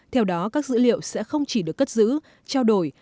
theo đó các dữ liệu sẽ không chỉ được cất giữ trao đổi